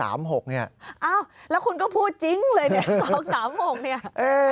อ้าวแล้วคุณก็พูดจริงเลยเนี่ย๒๓๖เนี่ย